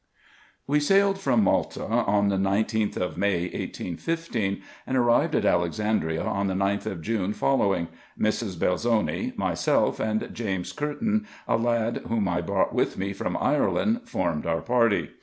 We sailed from Malta on the 19th of May, 1815, and arrived at Alexandria on the 9th of June following ; Mrs. Belzoni, myself, and James Curtain, a lad, whom I brought with me from Ireland, formed our party.